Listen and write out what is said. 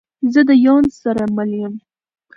زه ده یون سره مل یم